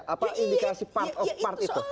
apa indikasi part of part itu